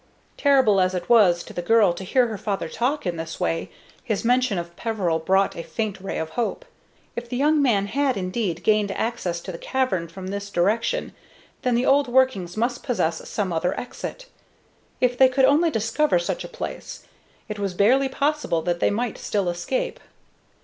Terrible as it was to the girl to hear her father talk in this way, his mention of Peveril brought a faint ray of hope. If the young man had indeed gained access to the cavern from this direction, then the old workings must possess some other exit. If they could only discover such a place, it was barely possible that they might still escape.